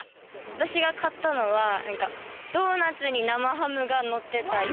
私が買ったのはドーナツに生ハムが載ってたり。